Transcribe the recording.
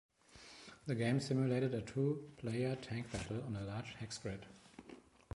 The game simulated a two-player tank battle on a large hex grid.